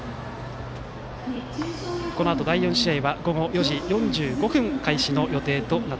このあと、第４試合は午後４時４５分開始予定です。